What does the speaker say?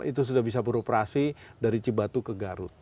itu sudah bisa beroperasi dari cibatu ke garut